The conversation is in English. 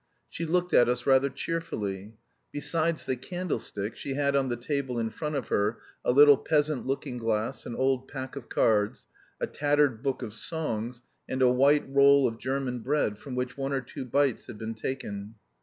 She looked at us rather cheerfully. Besides the candlestick, she had on the table in front of her a little peasant looking glass, an old pack of cards, a tattered book of songs, and a white roll of German bread from which one or two bites had been taken.